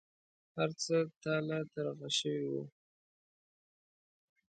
هرڅه تالا ترغه شوي و.